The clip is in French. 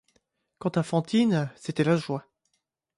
Quant à Fantine, c'était la joie.